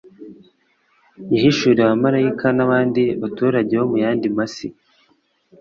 yahishuriwe abamaraika n'abandi baturage bo mu yandi masi.